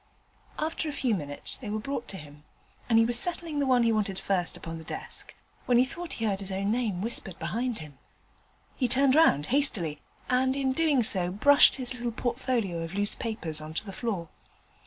After a few minutes they were brought to him, and he was settling the one he wanted first upon the desk, when he thought he heard his own name whispered behind him. He turned round hastily, and in doing so, brushed his little portfolio of loose papers on to the floor.